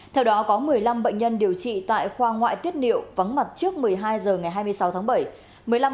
theo đó có một mươi năm bệnh nhân điều trị tại khoa ngoại tiết niệu vắng mặt trước một mươi hai h ngày hai mươi sáu tháng bảy